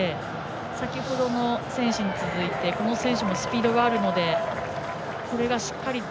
先ほどの選手に続いてこの選手もスピードがあるのでこれがしっかりと